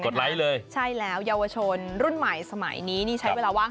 ไลค์เลยใช่แล้วเยาวชนรุ่นใหม่สมัยนี้นี่ใช้เวลาว่าง